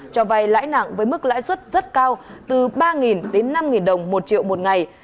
cho vay lãi nặng với mức lãi suất rất cao từ ba đến năm đồng một triệu một ngày